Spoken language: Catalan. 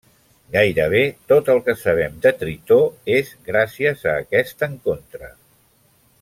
Gairebé tot el que sabem de Tritó és gràcies a aquest encontre.